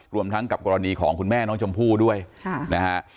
รวมทั้งกับกรณีของคุณแม่น้องชมพู่ด้วยนะฮะ